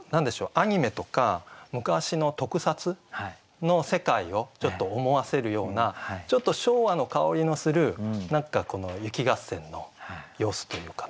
アニメとか昔の特撮の世界をちょっと思わせるようなちょっと昭和の薫りのする何かこの雪合戦の様子というかね